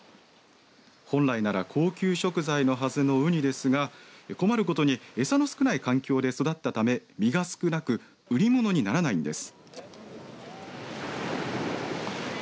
本来なら高級食材のはずの、うにですが困ることに餌の少ない環境で育ったため身が少なく売り物にならないんです。